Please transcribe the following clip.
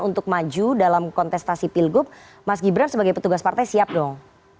untuk maju dalam kontestasi pilgub mas gibran sebagai petugas partai siap dong